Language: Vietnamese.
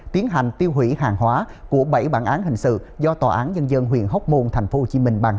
tiến hành tiêu hủy hàng hóa của bảy bản án hình sự do tòa án dân dân huyện hốc môn tp hcm ban hành